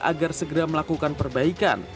agar segera melakukan perbaikan